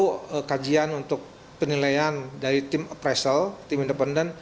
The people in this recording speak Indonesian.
perlu kajian untuk penilaian dari tim appraisal tim independen